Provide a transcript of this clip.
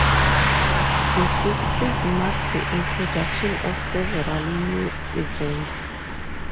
The sixties marked the introduction of several new events.